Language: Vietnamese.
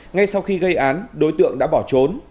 ngay sau khi gây án đối tượng đã bỏ trốn